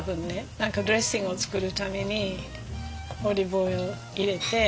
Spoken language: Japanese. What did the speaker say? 何かドレッシングを作るためにオリーブオイル入れて。